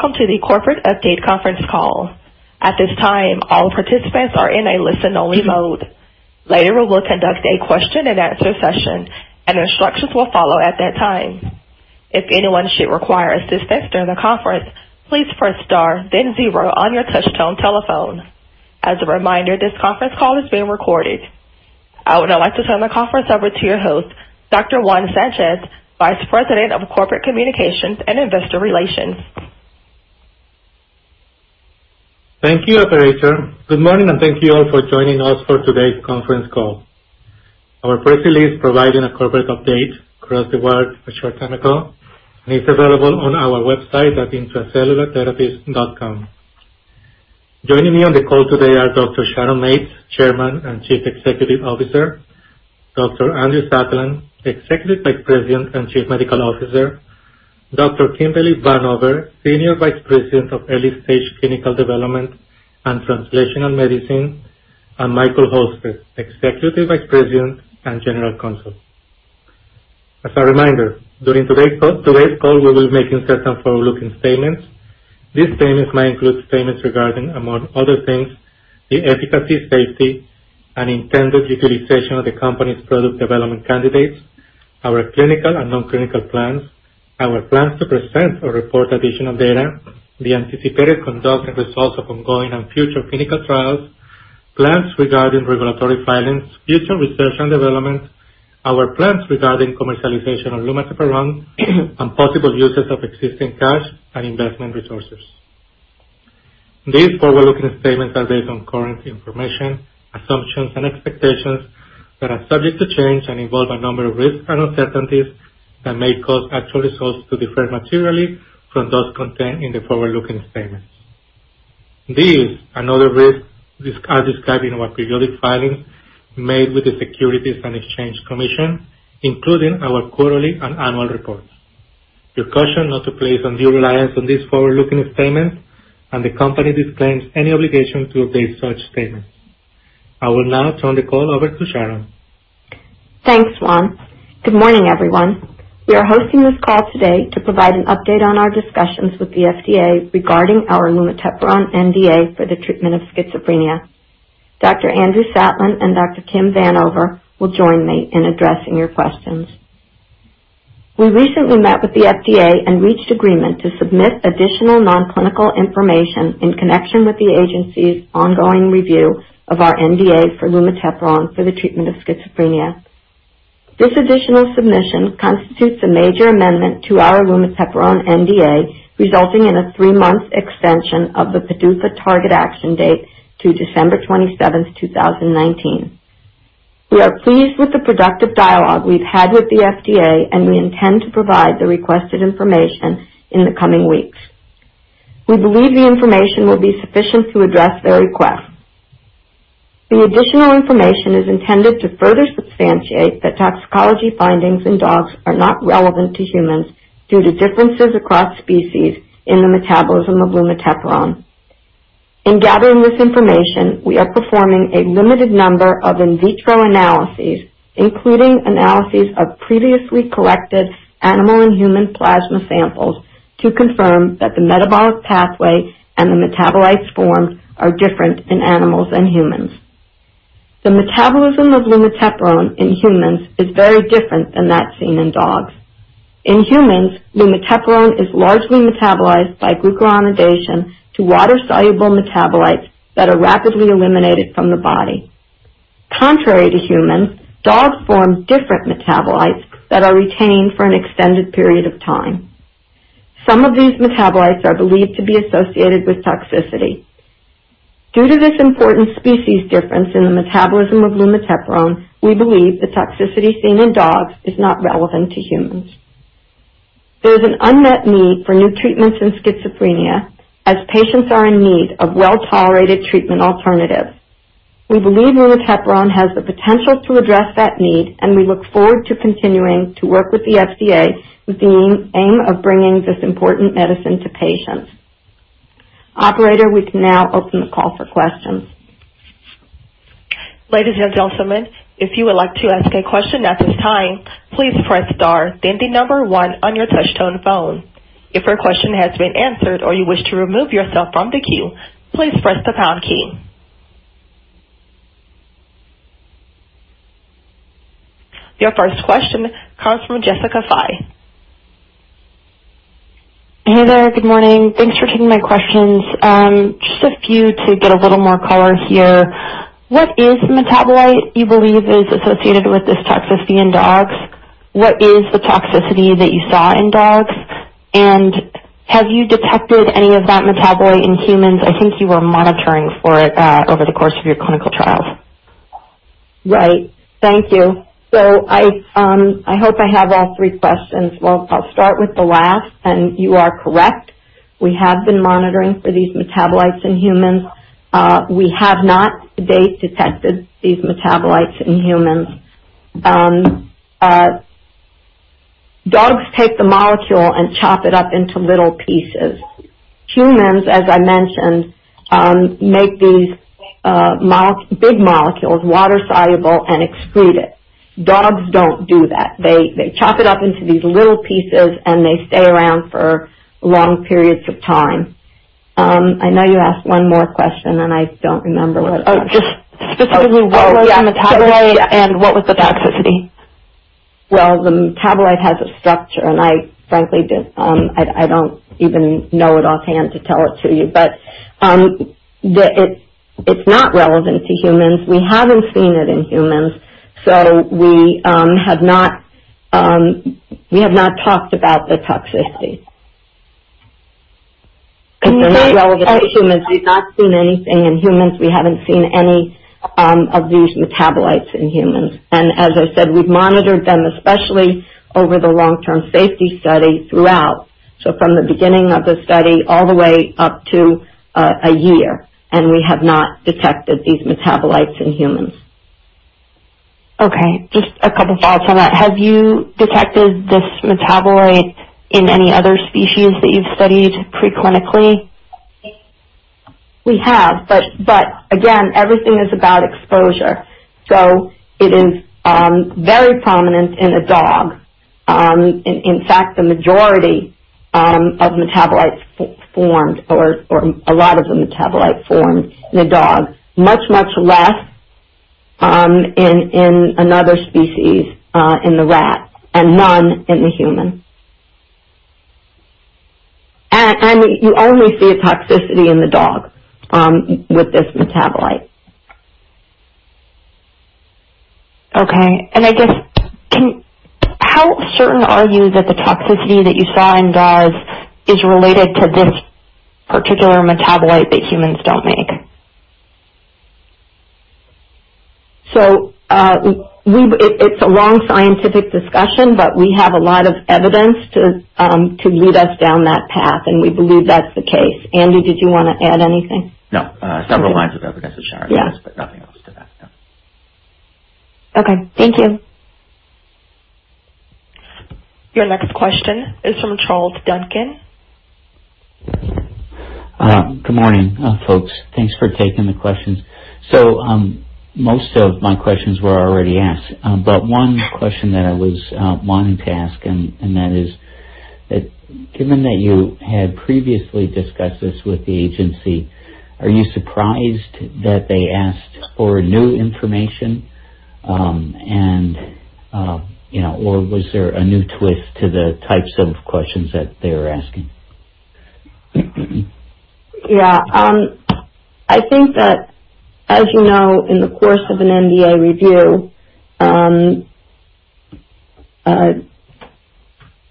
Welcome to the corporate update conference call. At this time, all participants are in a listen-only mode. Later, we will conduct a question and answer session, and instructions will follow at that time. If anyone should require assistance during the conference, please press star then zero on your touchtone telephone. As a reminder, this conference call is being recorded. I would now like to turn the conference over to your host, Dr. Juan Sanchez, Vice President of Corporate Communications and Investor Relations. Thank you, operator. Good morning. Thank you all for joining us for today's conference call. Our press release providing a corporate update crossed the wire a short time ago and is available on our website at intracellulartherapies.com. Joining me on the call today are Dr. Sharon Mates, Chairman and Chief Executive Officer, Dr. Andrew Satlin, Executive Vice President and Chief Medical Officer, Dr. Kimberly Vanover, Senior Vice President of Early Stage Clinical Development and Translational Medicine, and Michael Halstead, Executive Vice President and General Counsel. As a reminder, during today's call, we will be making certain forward-looking statements. These statements may include statements regarding, among other things, the efficacy, safety, and intended utilization of the company's product development candidates, our clinical and non-clinical plans, our plans to present or report additional data, the anticipated conduct and results of ongoing and future clinical trials, plans regarding regulatory filings, future research and development, our plans regarding commercialization of lumateperone, and possible uses of existing cash and investment resources. These forward-looking statements are based on current information, assumptions, and expectations that are subject to change and involve a number of risks and uncertainties that may cause actual results to differ materially from those contained in the forward-looking statements. These and other risks are described in our periodic filings made with the Securities and Exchange Commission, including our quarterly and annual reports. You're cautioned not to place undue reliance on these forward-looking statements. The company disclaims any obligation to update such statements. I will now turn the call over to Sharon. Thanks, Juan. Good morning, everyone. We are hosting this call today to provide an update on our discussions with the FDA regarding our lumateperone NDA for the treatment of schizophrenia. Dr. Andrew Satlin and Dr. Kim Vanover will join me in addressing your questions. We recently met with the FDA and reached agreement to submit additional non-clinical information in connection with the agency's ongoing review of our NDA for lumateperone for the treatment of schizophrenia. This additional submission constitutes a major amendment to our lumateperone NDA, resulting in a three-month extension of the PDUFA target action date to December 27th, 2019. We are pleased with the productive dialogue we've had with the FDA, and we intend to provide the requested information in the coming weeks. We believe the information will be sufficient to address their request. The additional information is intended to further substantiate that toxicology findings in dogs are not relevant to humans due to differences across species in the metabolism of lumateperone. In gathering this information, we are performing a limited number of in vitro analyses, including analyses of previously collected animal and human plasma samples, to confirm that the metabolic pathway and the metabolites formed are different in animals and humans. The metabolism of lumateperone in humans is very different than that seen in dogs. In humans, lumateperone is largely metabolized by glucuronidation to water-soluble metabolites that are rapidly eliminated from the body. Contrary to humans, dogs form different metabolites that are retained for an extended period of time. Some of these metabolites are believed to be associated with toxicity. Due to this important species difference in the metabolism of lumateperone, we believe the toxicity seen in dogs is not relevant to humans. There is an unmet need for new treatments in schizophrenia as patients are in need of well-tolerated treatment alternatives. We believe lumateperone has the potential to address that need, and we look forward to continuing to work with the FDA with the aim of bringing this important medicine to patients. Operator, we can now open the call for questions. Ladies and gentlemen, if you would like to ask a question at this time, please press star then the number 1 on your touchtone phone. If your question has been answered or you wish to remove yourself from the queue, please press the pound key. Your first question comes from Jessica Fye. Hey there. Good morning. Thanks for taking my questions. Just a few to get a little more color here. What is the metabolite you believe is associated with this toxicity in dogs? What is the toxicity that you saw in dogs? Have you detected any of that metabolite in humans? I think you were monitoring for it over the course of your clinical trials. Right. Thank you. I hope I have all three questions. I'll start with the last. You are correct. We have been monitoring for these metabolites in humans. We have not to date detected these metabolites in humans. Dogs take the molecule and chop it up into little pieces. Humans, as I mentioned, make these big molecules water-soluble and excrete it. Dogs don't do that. They chop it up into these little pieces. They stay around for long periods of time. I know you asked one more question. I don't remember what it was. Oh, just specifically what was the metabolite and what was the toxicity? Well, the metabolite has a structure, and I frankly don't even know it offhand to tell it to you. It's not relevant to humans. We haven't seen it in humans, so we have not talked about the toxicity. Because they're not relevant to humans. We've not seen anything in humans. We haven't seen any of these metabolites in humans. As I said, we've monitored them, especially over the long-term safety study throughout. From the beginning of the study, all the way up to one year, and we have not detected these metabolites in humans. Okay. Just a couple thoughts on that. Have you detected this metabolite in any other species that you've studied pre-clinically? We have, but again, everything is about exposure. It is very prominent in a dog. In fact, the majority of metabolites formed, or a lot of the metabolites formed in a dog, much, much less in another species, in the rat, and none in the human. You only see a toxicity in the dog with this metabolite. Okay. I guess, how certain are you that the toxicity that you saw in dogs is related to this particular metabolite that humans don't make? It's a long scientific discussion, but we have a lot of evidence to lead us down that path, and we believe that's the case. Andy, did you want to add anything? No. Several lines of evidence as Sharon says. Yeah Nothing else to that, no. Okay. Thank you. Your next question is from Charles Duncan. Good morning, folks. Thanks for taking the questions. Most of my questions were already asked. One question that I was wanting to ask, and that is that given that you had previously discussed this with the agency, are you surprised that they asked for new information? Was there a new twist to the types of questions that they were asking? Yeah. I think that, as you know, in the course of an NDA review,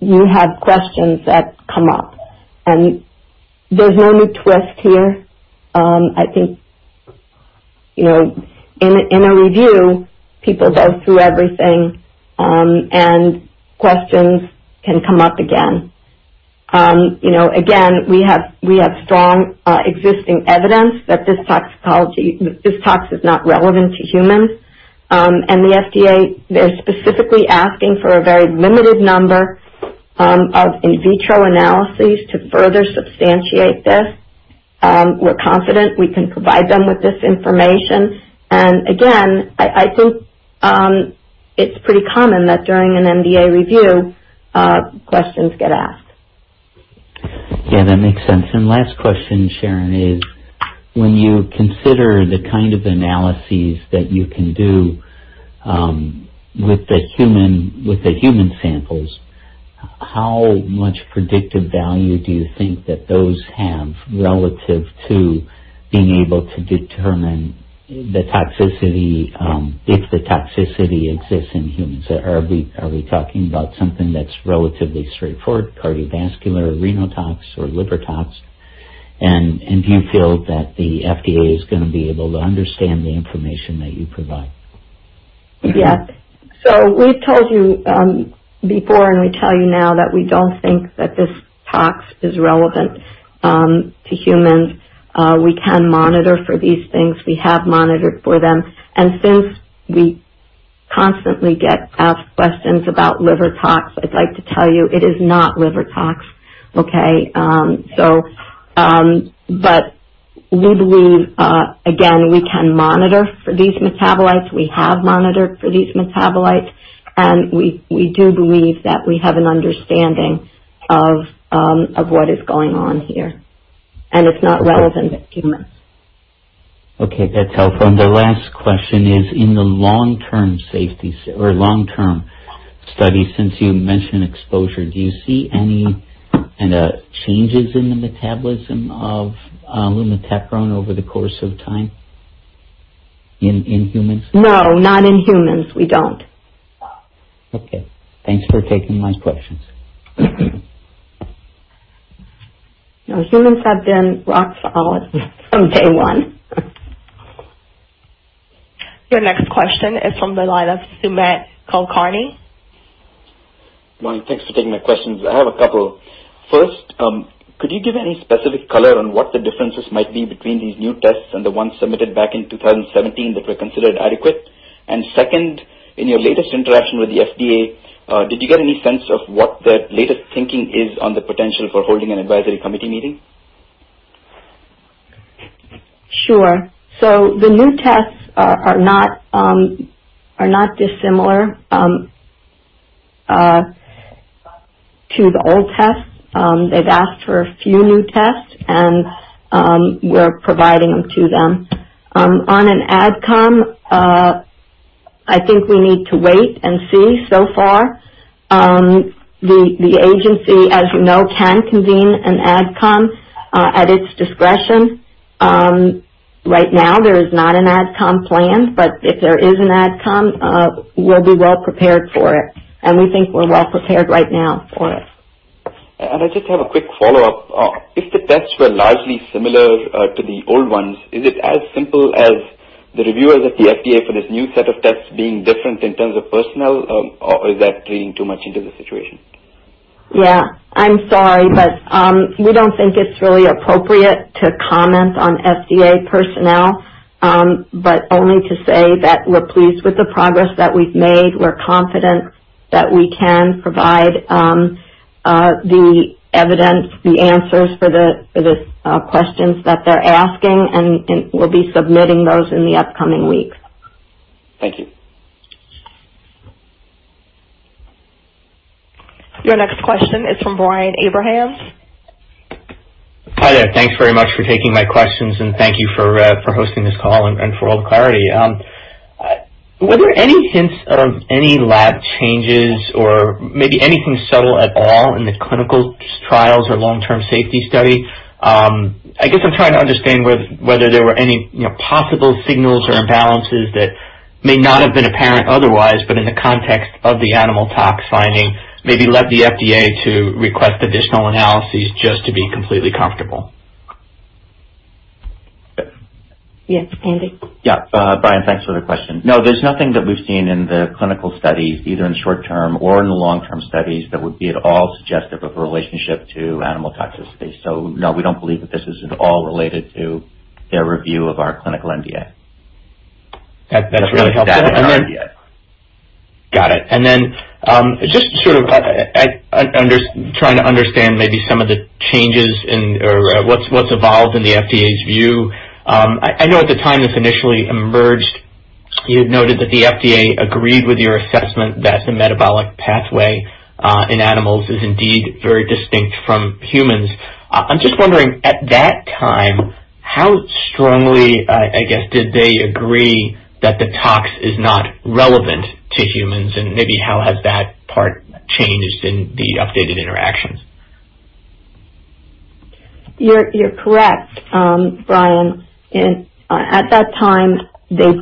you have questions that come up, and there's no new twist here. I think, in a review, people go through everything, and questions can come up again. Again, we have strong existing evidence that this tox is not relevant to humans. The FDA is specifically asking for a very limited number of in vitro analyses to further substantiate this. We're confident we can provide them with this information. Again, I think, it's pretty common that during an NDA review, questions get asked. Yeah, that makes sense. Last question, Sharon, is when you consider the kind of analyses that you can do with the human samples, how much predictive value do you think that those have relative to being able to determine if the toxicity exists in humans? Are we talking about something that's relatively straightforward, cardiovascular, renotox or liver tox? Do you feel that the FDA is going to be able to understand the information that you provide? Yeah. We've told you before, and we tell you now that we don't think that this tox is relevant to humans. We can monitor for these things. We have monitored for them. Since we constantly get asked questions about liver tox, I'd like to tell you it is not liver tox. Okay? We believe, again, we can monitor for these metabolites. We have monitored for these metabolites, we do believe that we have an understanding of what is going on here, and it's not relevant to humans. Okay, that's helpful. The last question is in the long-term studies, since you mentioned exposure, do you see any changes in the metabolism of lumateperone over the course of time in humans? No, not in humans. We don't. Okay. Thanks for taking my questions. No, humans have been rock solid from day one. Your next question is from the line of Sumit Kulkarni. Morning. Thanks for taking my questions. I have a couple. First, could you give any specific color on what the differences might be between these new tests and the ones submitted back in 2017 that were considered adequate? Second, in your latest interaction with the FDA, did you get any sense of what their latest thinking is on the potential for holding an advisory committee meeting? Sure. The new tests are not dissimilar to the old tests. They've asked for a few new tests, and we're providing them to them. On an AdCom, I think we need to wait and see so far. The agency, as you know, can convene an AdCom at its discretion. Right now, there is not an AdCom planned. If there is an AdCom, we'll be well-prepared for it, and we think we're well-prepared right now for it. I just have a quick follow-up. If the tests were largely similar to the old ones, is it as simple as the reviewers at the FDA for this new set of tests being different in terms of personnel, or is that reading too much into the situation? Yeah. I'm sorry, we don't think it's really appropriate to comment on FDA personnel. Only to say that we're pleased with the progress that we've made. We're confident that we can provide the evidence, the answers for the questions that they're asking, and we'll be submitting those in the upcoming weeks. Thank you. Your next question is from Brian Abrahams. Hi there. Thanks very much for taking my questions, and thank you for hosting this call and for all the clarity. Were there any hints of any lab changes or maybe anything subtle at all in the clinical trials or long-term safety study? I guess I'm trying to understand whether there were any possible signals or imbalances that may not have been apparent otherwise, but in the context of the animal tox finding, maybe led the FDA to request additional analyses just to be completely comfortable. Yes, Andy. Yeah. Brian, thanks for the question. No, there's nothing that we've seen in the clinical studies, either in short-term or in the long-term studies, that would be at all suggestive of a relationship to animal toxicity. No, we don't believe that this is at all related to their review of our clinical NDA. That's really helpful. That's really just that, an NDA. Got it. Then, just sort of trying to understand maybe some of the changes or what's evolved in the FDA's view. I know at the time this initially emerged, you had noted that the FDA agreed with your assessment that the metabolic pathway in animals is indeed very distinct from humans. I'm just wondering, at that time, how strongly, I guess, did they agree that the tox is not relevant to humans, and maybe how has that part changed in the updated interactions? You're correct, Brian. At that time, they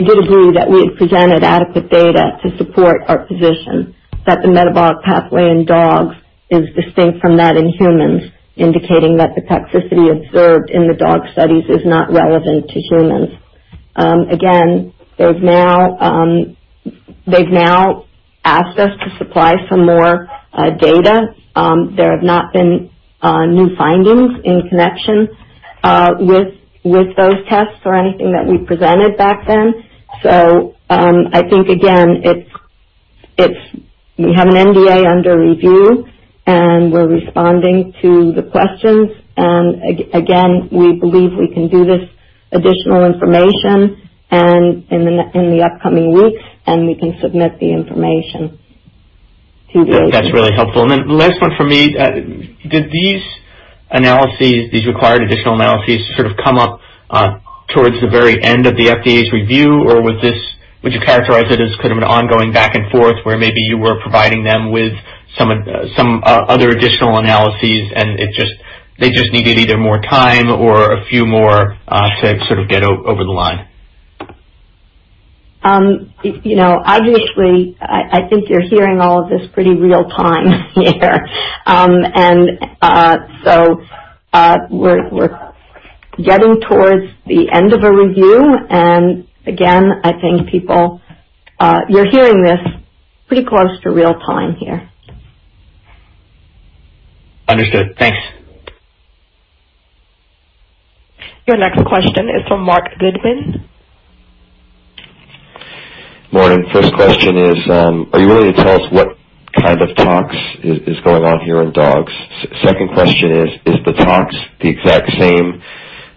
did agree that we had presented adequate data to support our position that the metabolic pathway in dogs is distinct from that in humans, indicating that the toxicity observed in the dog studies is not relevant to humans. Again, they've now asked us to supply some more data. There have not been new findings in connection with those tests or anything that we presented back then. I think, again, we have an NDA under review and we're responding to the questions, and again, we believe we can do this additional information in the upcoming weeks, and we can submit the information to the agency. That's really helpful. Then the last one from me, did these required additional analyses sort of come up towards the very end of the FDA's review, or would you characterize it as sort of an ongoing back and forth where maybe you were providing them with some other additional analyses and they just needed either more time or a few more to sort of get over the line? Obviously, I think you're hearing all of this pretty real time here. We're getting towards the end of a review, and again, I think, people, you're hearing this pretty close to real time here. Understood. Thanks. Your next question is from Marc Goodman. Morning. First question is, are you willing to tell us what kind of tox is going on here in dogs? Second question is the tox the exact same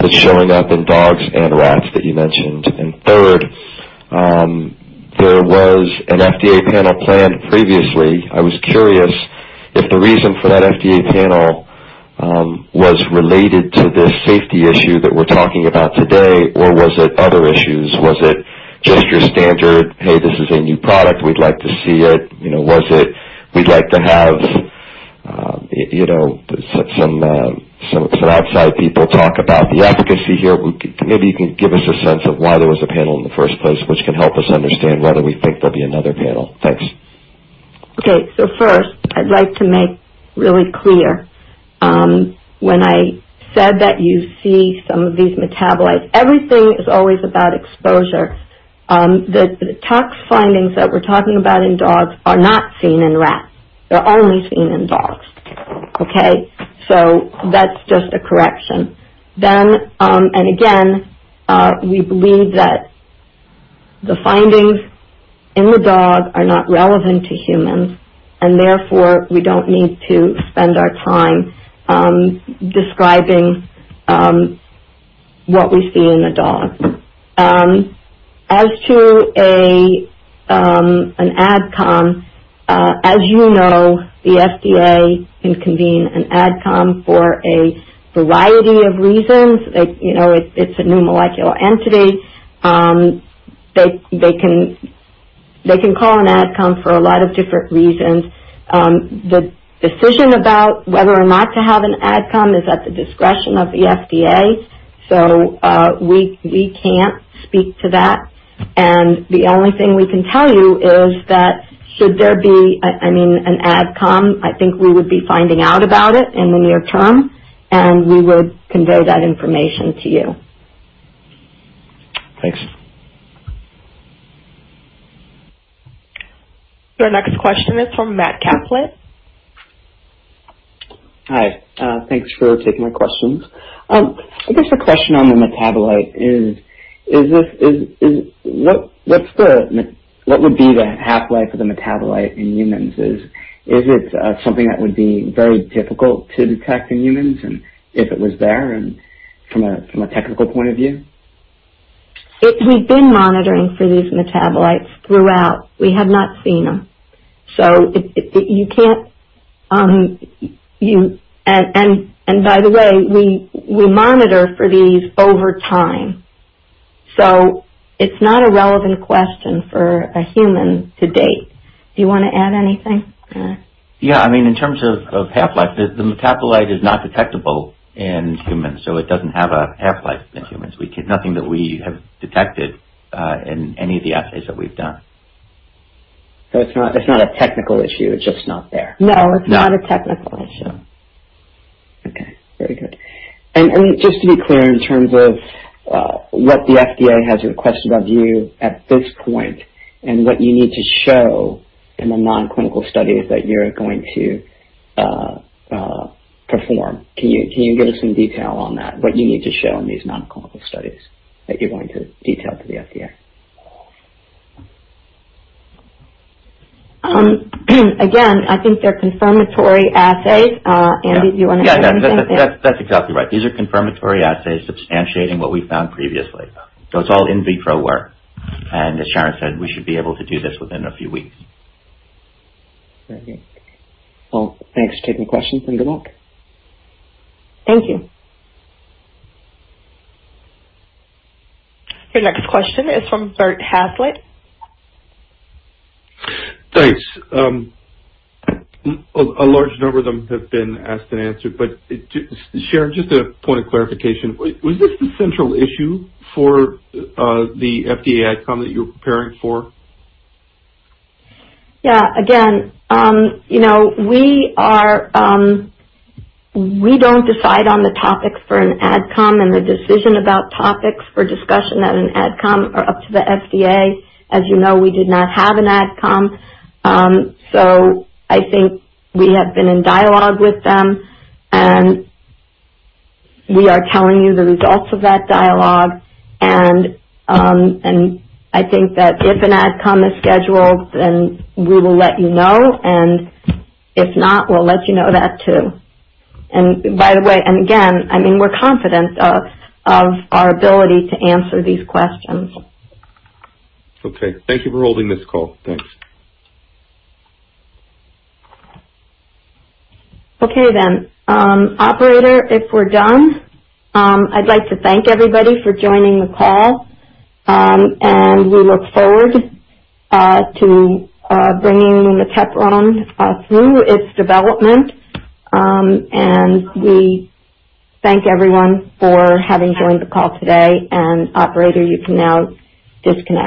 that's showing up in dogs and rats that you mentioned? Third, there was an FDA panel planned previously. I was curious if the reason for that FDA panel was related to this safety issue that we're talking about today, or was it other issues? Was it just your standard, "Hey, this is a new product. We'd like to see it." Was it, "We'd like to have some outside people talk about the efficacy here." Maybe you can give us a sense of why there was a panel in the first place, which can help us understand whether we think there'll be another panel. Thanks. First, I'd like to make really clear, when I said that you see some of these metabolites, everything is always about exposure. The tox findings that we're talking about in dogs are not seen in rats. They're only seen in dogs. Okay. That's just a correction. Again, we believe that the findings in the dog are not relevant to humans, and therefore, we don't need to spend our time describing what we see in the dog. As to an AdCom, as you know, the FDA can convene an AdCom for a variety of reasons. It's a new molecular entity. They can call an AdCom for a lot of different reasons. The decision about whether or not to have an AdCom is at the discretion of the FDA. We can't speak to that. The only thing we can tell you is that should there be an AdCom, I think we would be finding out about it in the near term, and we would convey that information to you. Thanks. Your next question is from Matt Caplette. Hi. Thanks for taking my questions. I guess a question on the metabolite is, what would be the half-life of the metabolite in humans? Is it something that would be very difficult to detect in humans, and if it was there, and from a technical point of view? We've been monitoring for these metabolites throughout. We have not seen them. By the way, we monitor for these over time. It's not a relevant question for a human to date. Do you want to add anything, Andy? Yeah. In terms of half-life, the metabolite is not detectable in humans, so it doesn't have a half-life in humans. Nothing that we have detected in any of the assays that we've done. It's not a technical issue. It's just not there. No, it's not a technical issue. Okay. Very good. Just to be clear, in terms of what the FDA has requested of you at this point and what you need to show in the non-clinical studies that you're going to perform, can you give us some detail on that, what you need to show in these non-clinical studies that you're going to detail to the FDA? Again, I think they're confirmatory assays. Andy, do you want to add anything? Yeah, that's exactly right. These are confirmatory assays substantiating what we found previously. It's all in vitro work. As Sharon said, we should be able to do this within a few weeks. Very good. Well, thanks for taking the question from the back. Thank you. Your next question is from Robert Hazlett. Thanks. A large number of them have been asked and answered, but Sharon, just a point of clarification. Was this the central issue for the FDA AdCom that you're preparing for? Again, we don't decide on the topics for an AdCom, and the decision about topics for discussion at an AdCom are up to the FDA. As you know, we did not have an AdCom. I think we have been in dialogue with them, and we are telling you the results of that dialogue. I think that if an AdCom is scheduled, then we will let you know, and if not, we'll let you know that, too. By the way, and again, we're confident of our ability to answer these questions. Okay. Thank you for holding this call. Thanks. Okay. Operator, if we're done, I'd like to thank everybody for joining the call. We look forward to bringing lumateperone through its development. We thank everyone for having joined the call today. Operator, you can now disconnect.